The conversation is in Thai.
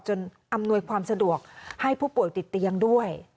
อำนวยความสะดวกให้ผู้ป่วยติดเตียงด้วย